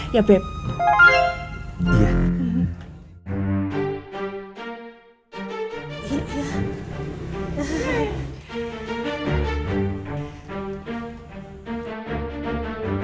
ihh bajunya tuh lucu lucu bu